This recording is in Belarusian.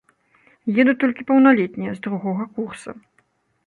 Едуць толькі паўналетнія, з другога курса.